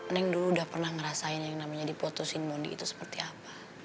neng dulu udah pernah ngerasain yang namanya dipotosin mony itu seperti apa